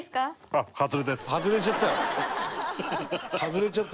あっ